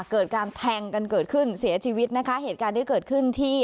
เกิดการแทงกันเกิดขึ้นเสียชีวิตนะคะเหตุการณ์ที่เกิดขึ้นที่